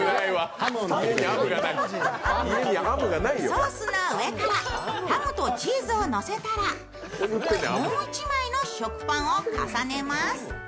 ソースの上からハムとチーズをのせたら、もう１枚の食パンを重ねます。